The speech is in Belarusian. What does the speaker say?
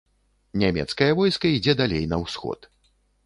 Нямецкае войска ідзе далей на ўсход.